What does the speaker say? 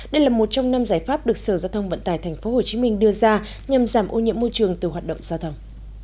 đây là một trong năm giải pháp được sở giao thông vận tải tp hcm đưa ra nhằm giảm ô nhiễm môi trường từ hoạt động giao thông